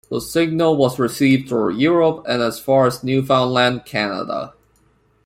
The signal was received throughout Europe and as far as Newfoundland, Canada.